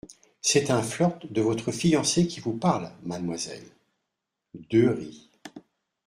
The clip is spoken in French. C’est un flirt de votre fiancé qui vous parle, mademoiselle. deux rit.